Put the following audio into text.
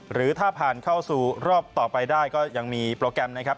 หรือถ้าผ่านเข้าสู่รอบต่อไปได้ก็ยังมีโปรแกรมนะครับ